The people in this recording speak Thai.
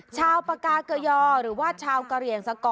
ชาวปากาเกยอหรือว่าชาวกะเหลี่ยงสกอร์